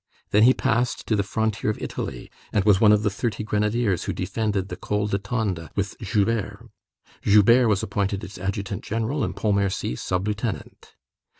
Then he passed to the frontier of Italy, and was one of the thirty grenadiers who defended the Col de Tende with Joubert. Joubert was appointed its adjutant general, and Pontmercy sub lieutenant.